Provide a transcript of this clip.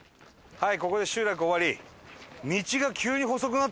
はい。